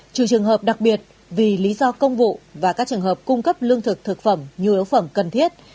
trừ trường hợp đặc biệt vì lý do công vụ và các trường hợp cung cấp lương thực thực phẩm nhu yếu phẩm cần thiết